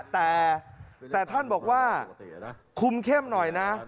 แต่ท่านบอกว่าคุมเข้มหน่อยนะ